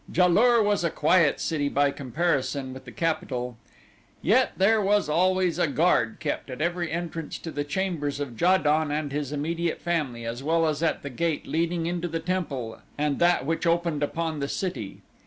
Ja lur was a quiet city by comparison with the capital, yet there was always a guard kept at every entrance to the chambers of Ja don and his immediate family as well as at the gate leading into the temple and that which opened upon the city.